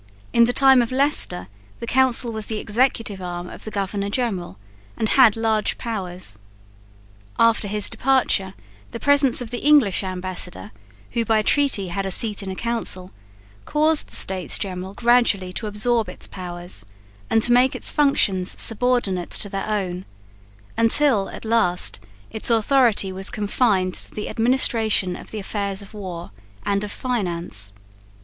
In the time of Leicester the Council was the executive arm of the governor general and had large powers. After his departure the presence of the English ambassador, who by treaty had a seat in the Council, caused the States General gradually to absorb its powers, and to make its functions subordinate to their own, until at last its authority was confined to the administration of the affairs of war and of finance.